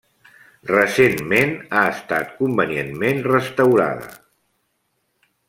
Recentment ha estat convenientment restaurada.